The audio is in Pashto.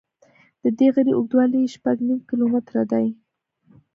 د دې غره اوږدوالی شپږ نیم کیلومتره دی.